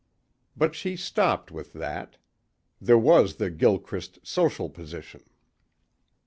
But she stopped with that. There was the Gilchrist social position.